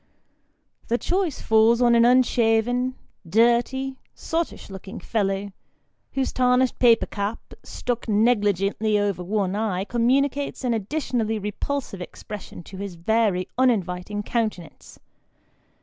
The choice falls on an unshaven, dirty, sottish looking fellow, whose tarnished paper cap, stuck negligently over one eye, communicates an additionally repulsive expression to his very uninviting countenance.